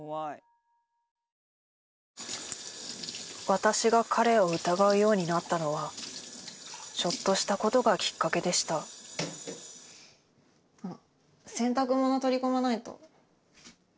私が彼を疑うようになったのはちょっとしたことがきっかけでしたうん。